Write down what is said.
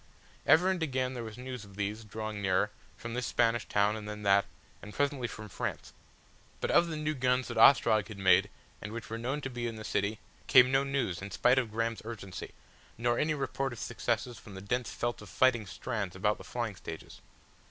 Ever and again there was news of these, drawing nearer, from this Spanish town and then that, and presently from France. But of the new guns that Ostrog had made and which were known to be in the city came no news in spite of Graham's urgency, nor any report of successes from the dense felt of fighting strands about the flying stages.